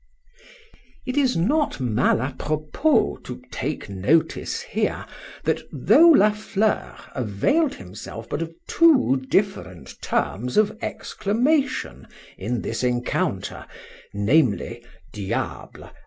It is not mal à propos to take notice here, that though La Fleur availed himself but of two different terms of exclamation in this encounter,—namely, Diable!